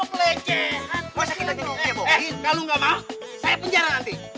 kalau gak mau saya penjara nanti